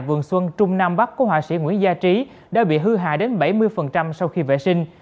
vườn xuân trung nam bắc của họa sĩ nguyễn gia trí đã bị hư hại đến bảy mươi sau khi vệ sinh